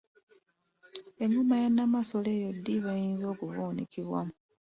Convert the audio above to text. Engoma ya Namasole eyo ddi ly’eyinza okuvuunikibwa?